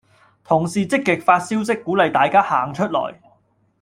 同事積極發消息鼓勵大家行出來